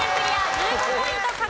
１５ポイント獲得です。